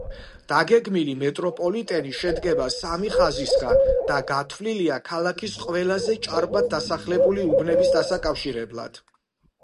დაგეგმილი მეტროპოლიტენი შედგება სამი ხაზისგან და გათვლილია ქალაქის ყველაზე ჭარბად დასახლებული უბნების დასაკავშირებლად.